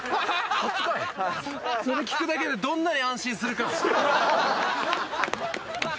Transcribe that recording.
それ聞くだけでどんなに安心するか。